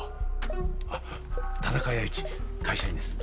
あっ田中弥一会社員です